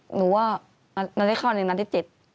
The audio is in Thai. หนูว่านัดที่เข้านัดที่๗